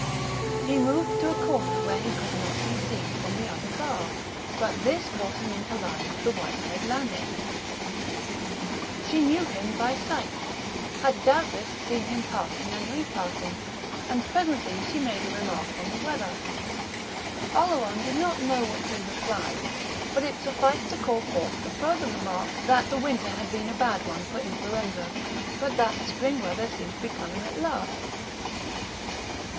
He moved to a corner where he could not be seen from the other bar; but this brought him into line with the white haired landlady. She knew him by sight had doubtless seen him passing and repassing; and presently she made a remark on the weather. Oleron did not know what he replied, but it sufficed to call forth the further remark that the winter had been a bad one for influenza, but that the spring weather seemed to be coming at last....